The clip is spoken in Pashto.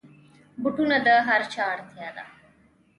بوټونه د هرچا اړتیا ده.